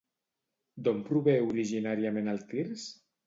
D'on prové originàriament el tirs?